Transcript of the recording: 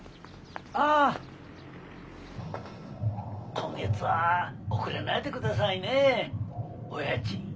「今月は遅れないで下さいねお家賃」。